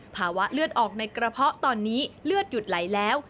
ภาวะเลือดออกในกระเพาะตอนนี้เลือดหยุดไหลแล้ว